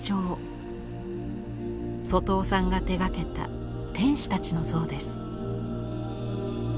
外尾さんが手がけた天使たちの像です。